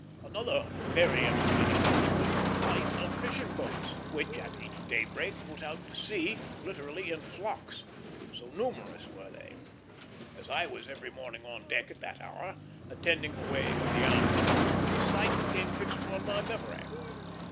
Another very entertaining feature was the flight of fishing boats, which at each daybreak put out to sea, literally in flocks; so numerous were they. As I was every morning on deck at that hour, attending the weighing of the anchor, the sight became fixed upon my memory.